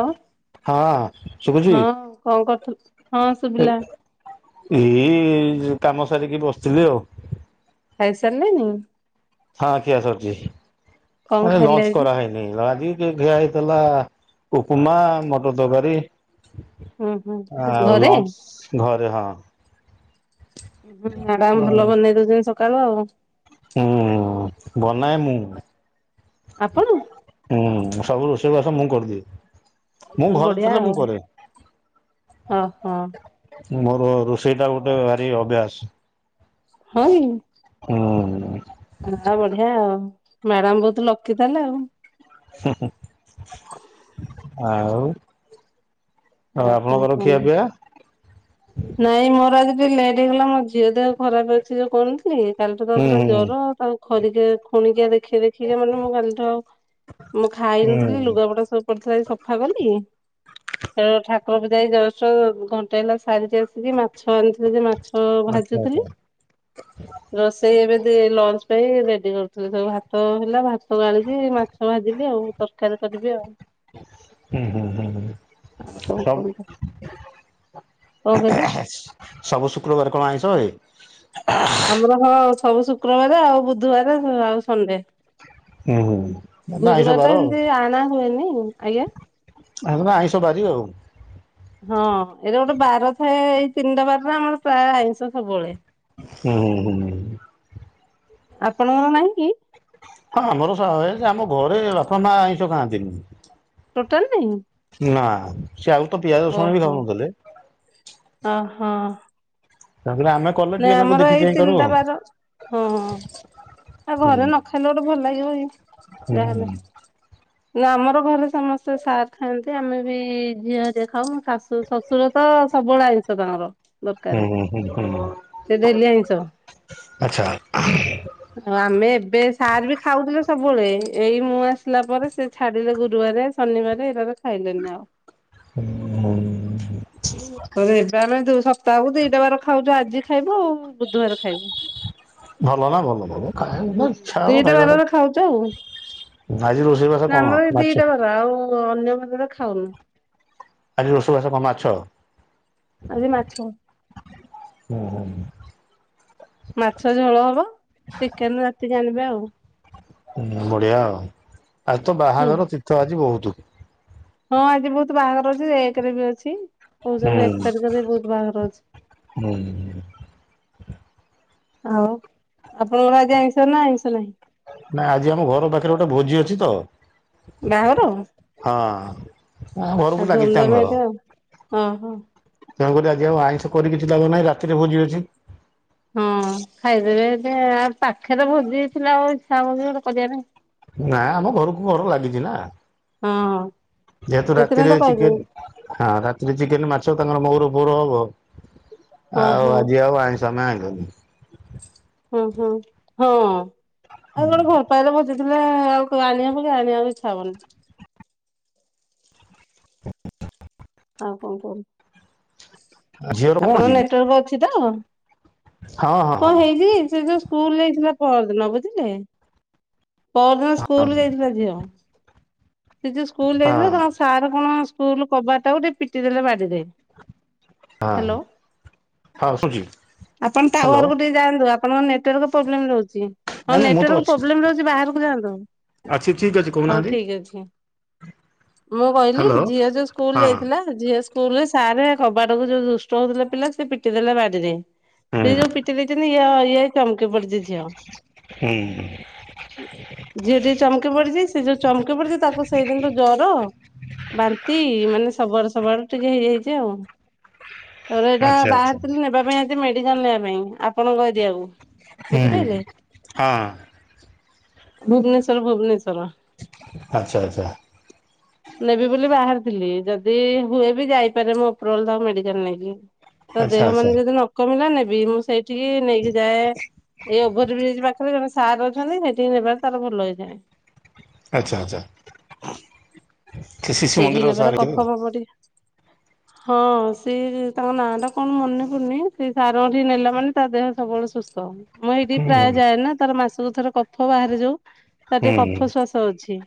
ହଁ ହଁ, ଶୁଭୁଛି? କଣ କରୁଥିଲୁ? ହଁ ଶୁଭିଲା ଏଇ-ଇ-ଇ କାମ ସାରିକି ବସିଥିଲି ଆଉ। ଆଇ ସାରଲେନି? ହଁ ଖିଆ ସରିଛି। କଣ ଏ ଖାଇଲେ ଲଞ୍ଚ ଆଜି? କରାହେଇନି। ଆଜି କିଏ ଘିଆ ହେଇଥିଲା ଉପମା, ମଟର ତକାରୀ। ହୁଁ ହୁଁ ଆଉ ଘରେ ଲଞ୍ଚ ଘରେ ହଁ। ହୁଁ, ମ୍ୟାଡାମ୍ ଭଲ ବନେଇ ଦଉଛନ୍ତି, ସକାଳୁ ଆଉ। ହୁଁ, ବନାଏ ମୁଁ। ଆପଣ! ହୁଁ ସବୁ ରୋଷେଇବାସ ମୁଁ କରିଦିଏ! ମୁଁ ଘରେ ଥିଲେ, ମୁଁ କରେ। ଅ ହ। ମୋର ରୋଷେଇ ଟା ଗୋଟେ ଭାରି ଅଭ୍ୟାସ। ହଁ। ହୁଁ। ଅଁ ବଢିଆ ଆଉ। ମ୍ୟାଡ଼ାମ୍ ବହୁତ ଲକି ତହାଲେ ଆଉ। ହୁଁ ହୁଁ, ଆଉ। ଆଉ କଣ ଆପଣଙ୍କର ଖିଆ କୁହନ୍ତୁ? ପିଆ ନାଇଁ ମୋର ଆଜି ଯେ ଲେଟ୍ ହେଇଗଲା। ମୋ ଝିଅ ଦେହ ଖରାପ ଅଛି, ଯଉ କହୁନ ଲି। କାଲିଠୁ ହୁଁ ତାକୁ ପୁରା ହୁଁ ଜର, ତାକୁ ଖରିକା ଖୁଣିକିଆ ଦେଖେଇ ଦେଖଇକି, ମାନେ ମୁଁ କାଲିଠୁ ଆଉ ମୁଁ ଖାଇନଥିଲି, ହୁଁ ଲୁଗାପଟା ସବୁ ପଡିଥିଲା ଆଜି ସଫା କଲି। ଏ ଠାକୁର ପୂଜା ଏଇ ଜଷ୍ଟ, ଘଣ୍ଟେ ହେଲା ସାରିିକି ଆସିକି। ମାଛ ଆଣିଥିଲେ, ଯେ ମାଛ ହ, ଆଚ୍ଛା ଆଚ୍ଛା ଭାଜିୁଥିଲି। ରୋଷେଇ ଏବେ ଦେ ଲଞ୍ଚ ସେଇ ରେଡି୍ କରୁଥିଲେ ସବୁ ଭାତ ହେଲା। ଭାତ ସବୁ ଆଣିକି ମାଛ ଭାଜିଲି ଆଉ, ତରକାରୀ କରିବି ଆଉ। ହୁଁ ହୁଁ ହୁଁ ଆ କଁ ସବୁ କରିଦେ? ସବୁ ଶୁକ୍ରବାର କଣ ଆଇଁଷ ହଏ? ଆମର ହଁ, ସବୁ ଶୁକ୍ରବାରେ ଆଉ ବୁଧବାରେ ଆଉ ସନଡେ। ହୁଁ ହୁଁ। ନା ଆଇଁଷ ଗୁରୁବାର ବାର ତ ଆଉ ହେନ୍ତି ଆଣାହୁଏନି? ଆଜ୍ଞା! [unintelligible] ଆଇଁଷ ବାରିବ ଆଉ ହଁ ଏଇଟା ଗୋଟେ ବାର ଥାଏ ଏଇ ତିନିଟା ବାରରେ ଆମର ପ୍ରାୟ ଆଇଁଷ ସବୁବେଳେ। ହୁଁ ହୁଁ ହୁଁ। ଆପଣଙ୍କର ନାହିଁ କି? ହଁ ଆମର ଆମ ଘରେ ବାପା ମା ଆଇଁଷ ଖାଆନ୍ତିନି। ଟୋଟାଲ ନାଇଁ। ନା ସେ ଆଉ ତ ପିଆଜ ରସୁଣ ବି ଖାଉନଥିଲେ। ହଁ। ତାପରେ ଆମେ କଲେ ନାଇଁ ଟିକେ ନାକୁ ଆମର ଦେଖି ଏଇ ଚାହିଁ କରୁ ତିନିଟା ଆଉ। ବାର ହଁ ହଁ। ଆଉ ହୁଁ ଘରେ ନ ଖାଇଲେ ଗୋଟେ ଭଲ ଲାଗିବ ହୁଁ କି ଯାହାହେଲେ। ନା ଆମର ଘରେ ସମସ୍ତେ ସାର୍ ଖାଆନ୍ତି ଆମେ ବି ଝିଅ ହରିଆ ଖାଉ ଶାଶୁ ଶଶୁର ତ ସବୁବେଳେ ଆଇଁଷ ତାଙ୍କର। ଦରକାରେ ହୁଁଁ ହୁଁ ହୁଁ ହୁଁ ସେ ଡେଲି ଆଇଁଷ ଆଚ୍ଛା। ଆଉ ଆମେ ଏବେ ସାର ବି ଖାଉଥିଲେ ସବୁବେଳେ ଏଇ ମୁଁ ଆସିଲା ପରେ ସେ ଛାଡିଲେ ଗୁରୁବାରେ ବାରେ ଶନିବାର ଏଇଟାରେ ଖାଇଲେନି ଆଉ। [unintelligible] ସପ୍ତାହକୁ ଦିଟା ବାର ଖାଉଛୁ ଆଜି ଖାଇବୁ ଆଉ ବୁଧବାର ଖାଇବୁ। ଭଲ ନା ଭଲ। ଭଲ ଖାଇବା ହୁଁ ଇଚ୍ଛା ହବ ଦିଟା ଖାଇବାର ବାରରେ ଖାଉଚୁ ଆଉ। ଆଜି ରୋଷେଇ ବାସ ନା କଣ ଆମର ଏ ମାଛ? ଦିଟା ବର ଆଉ ଅନ୍ୟ ବର ରେ ଖାଉନୁ। ଆଜି ରୋଷେଇ ବସରେ କଣ ମାଛ। ଆଜି ମାଛ ହୁଁ। ମାଛ ଝୋଳ ହବ ଚିକେନ ରାତିକି ଆଣିବେ ଆଉ ହୁଁ ବଢିଆ ଆଉ ଆଉ ତ ହୁଁ ବାହାଘର ତୀର୍ଥ ଆଜି ବହୁତ। ହଁ ଆଜି ବହୁତ ବାହାଘର ଅଛି ଏକରେ ବି ଅଛି। କହୁଛନ୍ତି ଏକ୍ ହୁଁ। ତାରିଖରେ ବହୁତ ବାହାଘର ଅଛି। ହୁଁ ଆଉ ଆପଣଙ୍କର ଆଜି ଆଇଁଷ ନା ଆଇଁଷ ନାହିଁ। ନାଇଁ ଆଜି ଆମ ଘର ପାଖରେ ଗୋଟେ ଭୋଜି ଅଛି ତ। ବାଘର ହଁ ଆମ ଘରକୁ ଆଉ ଲାଗିଛି ତାଙ୍କ ଧୁମଧାମ ଘର ହେଇଥିବ ଆଉ ଅହ ତେଣୁକରି ଆଜି ଆଉ ଆଇଁଷ କରି କିଛି ଲାଭନାହିଁ ରାତିରେ ଭୋଜି ଅଛି। ହଁ ଖାଇଦେବେ ଆ ପାଖେରେ ଭୋଜି ହେଇଥିଲା ଆଉ ଇଛା ହବକି ଗୋଟେ କରିବା ପାଇଁ ନାଇଁ ଆମ ଘରକୁ ଘର ଲାଗିଛି ନା। ହଁ। ଯେହେତୁ ସେଥିପାଇଁ ତ ରାତିରେ ଚିକେ କହିଲି ହଁ ରାତିରେ ଚିକେନ ମାଛ ତାଙ୍କର ମହୁର ଫର ହବ ହଁ ଆଉ ହଁ ଆଜି ଆଉ ଆଇଁଷ ଆମେ ଆଇଁଲୁନି। ହୁଁ ହୁଁ ହଁ ଆଉ କଣ ଘର ପାଖରେ ଭୋଜି ଲେ ଆଉ ଆଣିବାକୁ କି ଆଣିବାକୁ ଇଚ୍ଛା ହବନି। ଆଉ କଣ କୁହନ୍ତୁ ଝିଅର କଣ ଆପଣଙ୍କ ଅଛି କି ନେଟୱାର୍କ ଅଛି ତ। ହଁ ହଁ କଣ ହଁ ହେଇଛି କି ସେ ଯୋଉ ସ୍କୁଲହେଇଥିଲା ପରଦିନ ବୁଝିଲେ ପରଦିନ ସ୍କୁଲ ଯାଇଥିଲା ଝିଅ। ସେ ଯୋଉ ସ୍କୁଲ ଯାଇଥିଲା ହଁ କଣ ସାର୍ କଣ ସ୍କୁଲ କବାଟ ଟାକୁ ଟିକେ ପିଟି ଦେଲେ ବାଡିରେ। ହଁ ହ୍ୟାଲୋ ହଁ ଶୁଛି ଆପଣ ତା ହ୍ୟାଲୋ ଘରକୁ ଟିକେ ଯାଆନ୍ତୁ। ଆମର ନେଟୱାର୍କ ପ୍ରୋବ୍ଲେମ ରହୁଛି। ହଉ ନାଇଁ ନାଇଁ ମୁଁ ତ ନେଟୱାର୍କ ଅଛି ପ୍ରୋବ୍ଲେମ ରହୁଛି ବାହାରକୁ ଯାଆନ୍ତୁ ଅଛି ଠିକ ଅଛି ହଉ କହୁନାହାନ୍ତି ଠିକ ଅଛି। ମୁଁ କହିଲି ହ୍ୟାଲୋ ଝିଅ ଯୋଉ ସ୍କୁଲ ହଁ ଯାଇଥିଲା। ଝିଅ ସ୍କୁଲ ରେ ସାରେ କବାଟକୁ ଯୋଉ ଦୁଷ୍ଟ ହଉଥିଲା ପିଲା ସେ ପିଟି ଦେଲା ବାଡିରେ। ହୁଁ ସେ ଯୋଉ ପିଟି ଦେଇଛନ୍ତି ଇ ଇଏ ଚମକି ପଡିଛି ଝିଅ ହୁଁ ଝିଅ ଟିକେ ଚମକି ପଡିଛି ସେ ଯୋଉ ଚମକି ପଡଛି ତାକୁ ସେଇଦିନରୁୁ ଜର ବାନ୍ତି ମାନେ ସବୁଆଡୁ଼ ସବୁଆ଼ଡୁ ଟିକେ ହେଇଯାଇଛି ଆଉ ତାପରେ ଏଇଟା ଆଚ୍ଛା ଆଚ୍ଛା ବାହାରିଥିଲୁ ନେବା ପାଇଁ ମେଡ଼ିକାଲ ନେବା ପାଇଁ ଆପଣଙ୍କ ଏରିଆକୁ ହୁଁ ବୁଝିପାରିଲେ। ହଁ ଭୁବନେଶ୍ୱର ଭୁବନେଶ୍ୱର। ଆଚ୍ଛା ଆଚ୍ଛା। ନେବି ବୋଲି ବାହାରିଥିଲି ଯ ଯଦି ହୁଏ ବି ଯାଇପାରେ ମୁଁ ଉପରଓଳି ତାକୁ ମେଡ଼ିକାଲ ନେଇକି ତା ଆଚ୍ଛା ଦେହ ଆଚ୍ଛା ମାନେ ଯଦି ନ କମିଲା ନେ ବି ମୁଁ ସେଇଠିକି ନେଇକି ଯାଏ ଏଇ ଓଭର ବ୍ରିଜ ପାଖ ଜଣେ ସାର୍ ଅଛନ୍ତି ସେଠିକି ନେବାର ତାର ଭଲ ହେଇଯାଏ। ଆଚ୍ଛା ଆଚ୍ଛା ସେ ଶିଶୁ ସେଇଠିକି ମନ୍ଦିର ନେବାରେ ସାର୍ କଫ [unintelligible] [inaudible] ହଁ ସେ ତାଙ୍କ ନାଁ ଟା କଣ ମନେ ପଡୁନି ସେ ସାରଙ୍କଟି ନେଲା ମାନେ ତା ଦେହ ସବୁବେ ସୁସ୍ଥ ମୁଁ ଏଇଠି ହୁଁ ପ୍ରାୟ ହୁଁ ଯାଏ ନା ତାର ମାସକୁ ଥର କଫ ବାହାରେ ଯଉ ତା ଟିକେ ହୁଁ କଫ ଶ୍ଵାସ ଅଛି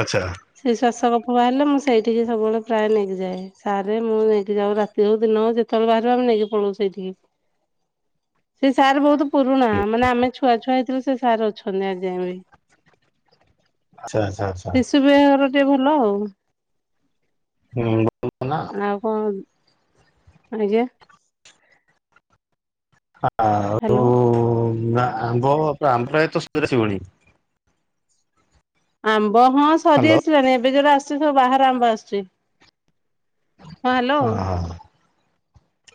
ଆଚ୍ଛା ସେ ଶ୍ଵାସ କ କଫ ବାହାରିଲେ ମୁଁ ସେଇଠିକି ସବୁବେଳେ ପ୍ରାୟ ନେଇକି ଯାଏ ସାରେ ମୁଁ ନେଇକି ଯାଉ ରାତି ହଉ ଦିନ ହଉ ଯେତେବେଳେ ବାହାରିବ ଆମେ ନେଇକି ପଲଉ ସେଇଠିକି। ସେ ସାର୍ ବହୁତ୍ ପୁରୁଣା ମାନେ ଆମେ ଛୁଆ ଛୁଆ ହେଇଥିଲୁ ସେ ସାର୍ ଅଛନ୍ତି ଆଜି ଯାଏଁ ବି ଆଚ୍ଛା ଆଚ୍ଛା ଆଚ୍ଛା। ଶିଶୁ [unintelligible] ଭଲ ଆଉ ହୁଁ ନା ଆଉ କଣ? [unintelligible] ଆଉ ହ୍ୟାଲୋ। ଆମ୍ବ [unintelligible] ଆମ୍ବ ହଁ ସରି ହ୍ୟାଲୋ ଆସିଲାଣି ଏବେ ଯୋଉରା ଆସୁଛି ସବୁ ବାହାର ଆମ୍ବ ଆସୁଚି। ହଁ ହ୍ୟାଲୋ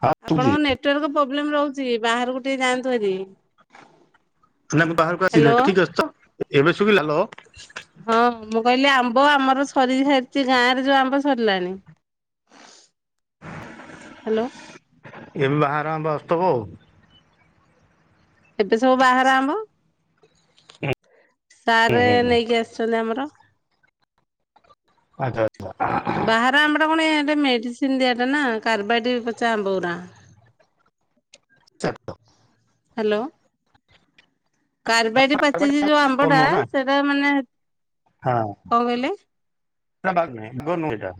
ହଁ ଶୁଭୁଛି ଆପଣଙ୍କ ନେଟୱାର୍କ ପ୍ରୋବ୍ଲେମ୍ ରହୁଚି। ବାହାରକୁ ଟିକେ ଯାଆନ୍ତୁ ହେରି। ବାହାରକୁ ଆସିଲି ହ୍ୟାଲୋ। ଠିକ୍ ଅଛି ତ ଏବେ ଶୁବିଲା ହାଲୋ। ହଁ ମୁଁ କହିଲି ଆ ଆମ୍ବ ଆମର ସରି ସାରିଛି ଗାଁ ରେ ଯୋଉ ଆମ୍ବ ସରିଲାଣି। ହ୍ୟାଲୋ। ଏବେ ବାହାର ଆମ୍ବ ଆସୁଥିବ ଆଉ। ଏବେ ସବୁ ବାହାର ଆମ୍ବ। ସାର୍ ହୁଁ ହୁଁ ନେଇକି ଆସିଛନ୍ତି ଆମର। ଆଚ୍ଛା ବାହାରେ ଆମ୍ବ ଟା ପୁଣି [unintelligible] ମେଡ଼ିସିନ୍ ଦିଆଟା ନା କ୍ରାଭାଇଟି ପଚା ଆମ୍ବ ଉରା। ଚାଟ। ହ୍ୟାଲୋ। କାରବାଇଟି ପାଚିଛି ଯୋଉ ଆମ୍ବ ଭଲ ଟା ନୁହଁ ନା ସେଟା ମାନେ କଣ ହଁ କହିଲେ ନା ବାଗ ନୁ ଏଟା।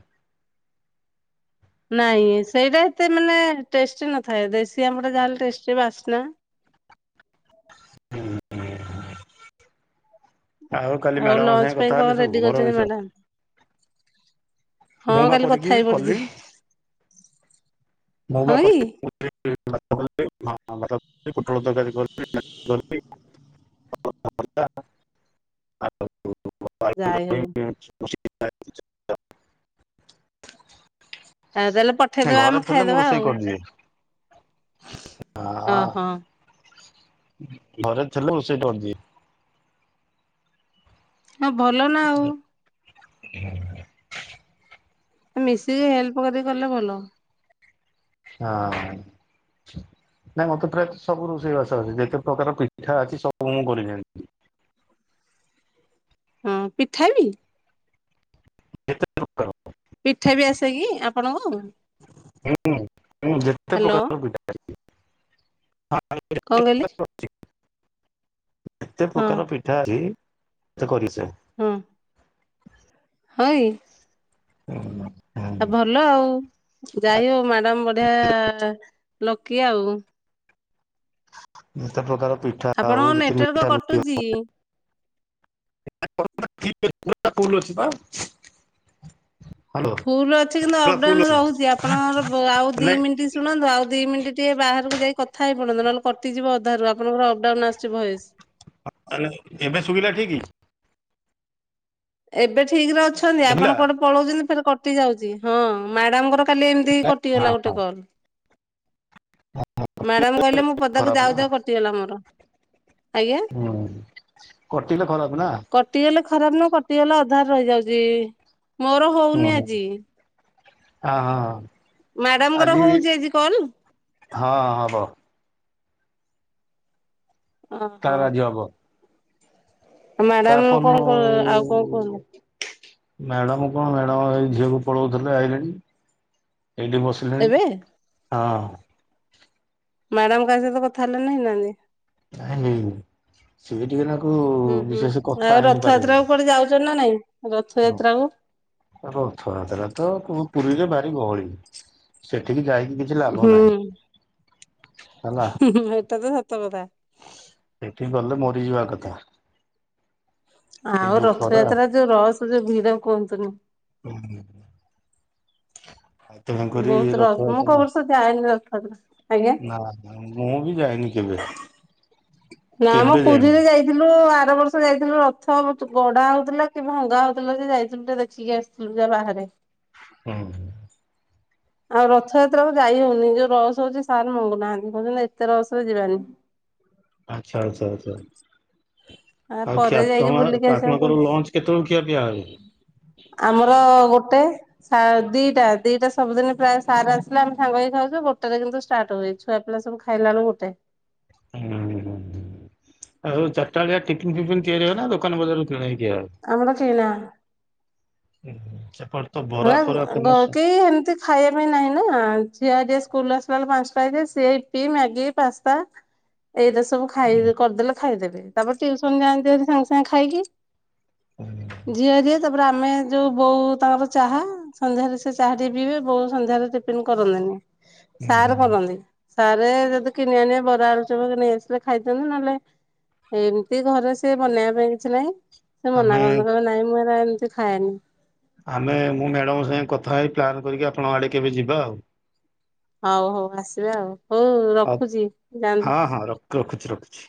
ନାଇଁ ସେଇଟା ଏତେ ମାନେ ଟେଷ୍ଟ୍ ନଥାଏ ଦେଶୀ ଆମ୍ବ ଟା ଯାହେଲେ ଟେଷ୍ଟି ବାସ୍ନା। ହୁଁ ହୁଁ। ଆଉ କାଲି ମ୍ୟାଡାମଙ୍କ ଲଞ୍ଚ ସାଙ୍ଗେ ପାଇଁ କଥା କଣ ହେଲେ ରେଡି ସବୁ ଘର କରିଛନ୍ତି ବିଷୟ? ମ୍ୟାଡାମ ହଁ ମୁଁ ପା କାଲି କଥା କରିକି ହେଇ ପଡିଛି କଲି। ମୁଁ ପା ହଁ କି? [unintelligible] ପୋଟଳ ତରକାରୀ [unintelligible] [unintelligible] ଯାଇ ହଉ [unintelligible] ଆଉ ତାହେଲେ ପଠେଇଦେବ ଘରେ ଆମେ ଥିଲେ ମୁଁ ଖାଇଦବା ରୋଷେଇ ଆଉ। କରିଦିଏ। ଓ ହଁ ହୋ। ଘରେ ଥିଲେ ରୋଷେଇ କରିଦିଏ। ହଁ ଭଲ ନା ଆଉ। [unintelligible] ମିଶିକି ହେଲ୍ପ କରିକି କଲେ ଭଲ। ହଁ। ନାଇଁ ମତେ ପ୍ରାୟତଃ ସବୁ ରୋଷେଇବାସ ଆସେ ଯେତେ ପ୍ରକାର ପିଠା ଅଛି ସବୁ ମୁଁ କରି ଜାଣିଛି। ହଁ ପିଠା ବି। ଯେତେ ପ୍ରକାର। ପିଠା ବି ଆସେ କି ଆପଣଙ୍କୁ? ହୁଁ ହୁଁ ଯେତେ ହ୍ୟାଲୋ ପ୍ରକାର ର ପିଠା ଆ କଣ କହିଲେ? ଯେତେ ହଁ ପ୍ରକାର ପିଠା ଅଛି ମତେ କରି ଆ ହଁ। ହଁ କି। ହୁଁ। ଆ ଭଲ ଆଉ ଯାଇ ହଉ ମ୍ୟାଡାମ ବଢିଆ। ଲକି ଆଉ। ଯେତେ ପ୍ରକାର ପିଠା ହଉ ଆପଣଙ୍କ ଯେତେ ନେଟୱାର୍କ ମିଠା ମିଠି କଟୁଛି। ହଉ। [inaudible] ପୁରା ଫୁଲ ଅଛି ପା। ହ୍ୟାଲୋ। ଫୁଲ ଅଛି କିନ୍ତୁ ପୁରା ଫୁଲ ଅପଡାଉନ ଅଛି ରହୁଛି ଆପଣଙ୍କର ବ ଆଉ ଦି ମିଣ୍ଟି ଶୁଣନ୍ତୁ ଆଉ ଦି ମିଣ୍ଟି। ଟିକେ ବାହାରକୁ ଯାଇ କଥା ହେଇ ପଡନ୍ତୁ ନହେଲେ କଟିଯିବ ଅଧାରୁ ଆପଣଙ୍କର ଅପଡାଉନ ଆସୁଛି ଭଏସ। ଅ ତାହେଲେ ଏବେ ଶୁଭିଲା ଠିକି? ଏବେ ଠିକ ରେ ଅଛନ୍ତି ଶୁଭିଲା ଆପଣ କୁଆଡେ ପଳଉଛନ୍ତି ଫେରେ କଟି ଯାଉଛି ହଁ ମ୍ୟାଡାମଙ୍କର କାଲି ଏମିତି ହି ହଁ କଟିଗଲା ହଁ ଗୋଟେ କଲ। ମ୍ୟାଡାମ କହିଲେ ମୁଁ ପଦାକୁ ଖରାପ ଯାଉ ନା ଯାଉ କଟିଗଲା ମୋର। ଆଜ୍ଞା ହୁଁ କଟିଲେ ଖରାପ ନା। କଟିଗଲେ ଖରାପ ନ କଟିଗଲା ଅଧାରେ ରହିଯାଉଛି ମୋର ହଉନି ଆଜି। ଆ ହଁ। ମ୍ୟାଡାମଙ୍କର ଆଜି ହଉଛି ଆଜି କଲ। ହଁ ହଁ ହବ। ଓହୋ ତାର ଆଜି ହବ। ତା ମ୍ୟାଡାମ ଫୋନ୍ କଣ ରୁ କ ଆଉ କଣ କହିଲ ମ୍ୟାଡାମ କଣ ମ୍ୟାଡ଼ାମ ଏଇ ଝିଅକୁ ପଢ଼ଉଥିଲେ ଆଇଲେଣି ଏଇଠି ବସିଲେଣି। ଏବେ ହଁ। ମ୍ୟାଡାମ କାହା ସହିତ କଥା ହେଲେ ନା ହେଇ ନାହାନ୍ତି? ନାଇଁ ହେଇନି ସିଏ ଟିକେ ନାକୁ ହୁଁ ହୁଁ ବିଶେଷ କଥା ଆଉ ରଥଯାତ୍ରା କୁ କୁଆଡେ ଯାଉଛ ନା ନାଇଁ ହାଲୋ ରଥଯାତ୍ରା କୁ ରଥଯାତ୍ରା ତ ପୁ-ପୁରୀରେ ଭାରି ଗହଳି ସେ ହୁଁ ହୁଁ ହେଲା ହୁଁ ଏଟା ତ ସତ କଥା। ସେଠିକି ଗଲେ ମରିଯିବା ଏକାଥରେ। ଆଉ ରଥଯାତ୍ରା ଯୋଉ ରସ ଯୋଉ ଭିଡ କୁହନ୍ତୁନି। ହୁଁ ଆଉ ତେଣୁକରି ବହୁତ ରସ ମୁଁ କଉ ରଥଯାତ୍ରା ବର୍ଷ ଯାଏନି ରଥଯାତ୍ରା। ଆଜ୍ଞା। ନା ମୁଁ ମୁଁ ବି ଯାଇନି କେବେ। ନା ମ କେବେ ଯାଇନି ପୁରୀରେ ଯାଇଥିଲୁ ଆ ଆର ବର୍ଷ ଯାଇଥିଲୁ ରଥ ବ ଚ ଗଡା ହଉଥିଲା କି ଭଙ୍ଗା ହଉଥିଲା ଯେ ଯାଇଥିଲୁ ଟିକେ ଦେଖିକି ଆସିଲୁ ଯାହା ବାହାରେ। [inaudible] ହୁଁ ହୁଁ। ଆଉ ରଥଯାତ୍ରା କୁ ଯାଇ ହଉନି ଯୋଉ ରସ ହଉଛି ସାର୍ ମଙ୍ଗୁନାହାନ୍ତି କହୁଛନ୍ତି ଏତେ ରସରେ ଯିବାନି। [inaudible] ଆଚ୍ଛା ଆଚ୍ଛା ଆଚ୍ଛା। ଆ ଆଉ ପରେ ଖିଆ ଯାଇକି ତମର ବୁଲିକି ଆସିବାକୁ ଆପଣଙ୍କର ପଡୁଛି ଲଞ୍ଚ କେତେବେଳୁ ଖିଆପିଆ କରିବେ? ଆମର ଗୋଟେ। ସାଢ଼େ ଦିଟା ଦିଟା ସବୁଦିନ ପ୍ରାୟ ସାର୍ ଆସିଲେ ଆମେ ସାଙ୍ଗହେଇକି ଖାଉଚୁ ଗୋଟେ ରେ କିନ୍ତୁ ଷ୍ଟାର୍ଟ ହୁଏ ଛୁଆ ପିଲା ସବୁ ଖାଇଲାଣୁ ଗୋଟେ। ହୁଁ ହୁଁ ଆଉ ଚାରିଟାବେଳିଆ ଟିଫିନ୍ ଟିଫିନ୍ ତିଆରି ହବ ନା ଦୋକାନ ବଜାର କିଣା ହେଇ ଆମର କିଣା। ହୁଁ, ସେପଟେ ତ ବରା ଫରା ହୁଏ ଫେମସ କେହି ଏମିତି ଖାଇବା ପାଇଁ ନାହିଁ ନା ଝିଅ ଆ ସ୍କୁଲ୍ ଆସିଲା ବେଳୁକୁ ପାଞ୍ଚ ଟା ହେଇଯାଏ ସେ ୟୁପି ମ୍ୟାଗି ପାସ୍ତା। ଏଇଟା ସବୁ ଖାଇ କରିଦେଲେ ଖାଇଦେବେ ତାପରେ ଟିୟୁସନ ଯାଆନ୍ତି ଭେରି ସାଙ୍ଗେ ସାଙ୍ଗେ ଖାଇକି। ଝିଅ ହେରିକା ତାପରେ ଆମେ ଯୋଉ ବୋଉ ତାଙ୍କର ଚାହା ସନ୍ଧ୍ୟାରେ ସେ ଚାହା ଟିକେ ପିଇବେ ବୋଉ ସନ୍ଧ୍ୟାରେ ଟିଫିନ୍ କରନ୍ତିନି। ସାର୍ କରନ୍ତି। ସାରେ ଯଦି କିଣି ଆଣିବେ ବରା ଆଳୁଚପ ନେଇ ଆସିଲେ ଖାଇ ଥାନ୍ତେ ନହେଲେ ଏମିତି ଘରେ ସେ ବନେଇବା ପାଇଁ କିଛି ନାହିଁ। ସେ ମନା ଆମେ କରନ୍ତି କହିବେ ନାଇଁ ମୁଁ ଏରା ମୁଁ ଏମିତି ଖାଏନି। ଆମେ ମୁଁ ମ୍ୟାଡ଼ାମଙ୍କ ସାଙ୍ଗେ କଥା ହେଇ ପ୍ଲାନ୍ କରିକି ଆପଣଙ୍କ ଆଡ଼େ କେବେ ଯିବା ଆଉ। ହଉ ହଉ ଆସିବେ ଆଉ। ହଉ ଆଉ ରଖୁଛି ଯାଆନ୍ତୁ। ହଁ ହଁ ରଖ ରଖୁଛି ରଖୁଛି।